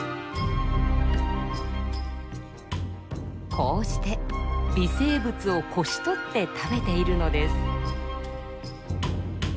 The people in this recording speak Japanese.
こうして微生物をこしとって食べているのです。